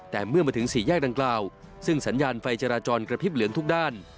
แต่เมื่อมาถึงสี่แยกดังกล่าวซึ่งสัญญาณไฟจราจรกระพริบเหลืองทุกด้าน